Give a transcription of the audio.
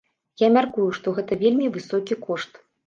Я мяркую, што гэта вельмі высокі кошт.